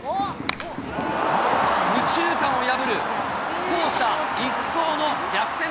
右中間を破る走者一掃の逆転